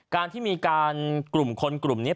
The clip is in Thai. การที่มีการกลุ่มคนกลุ่มนี้